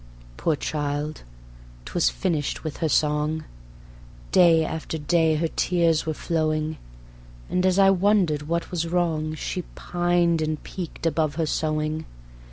Poor child; 'twas finished with her song: Day after day her tears were flowing; And as I wondered what was wrong She pined and peaked above her sewing.